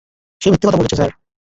সে মিথ্যা বলছে, স্যার।